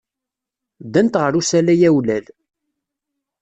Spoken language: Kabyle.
Ddant ɣer usalay awlal.